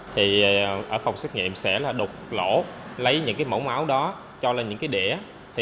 thì ở phòng xét nghiệm sẽ đục lỗ lấy những mẫu máu đó cho lên những đĩa